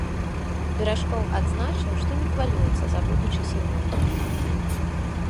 Беражкоў адзначыў, што не хвалюецца за будучы сезон.